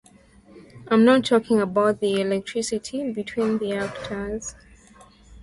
I'm not talking about the electricity between the actors.